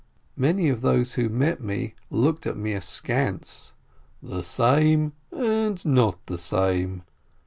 Many of those who met me looked at me askance, "The same and not the same!"